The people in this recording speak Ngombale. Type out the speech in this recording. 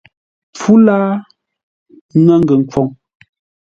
Pfú láa, ŋə́ woghʼ ngəkhwoŋ.